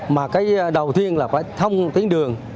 mà cái đầu tiên là phải thông tuyến đường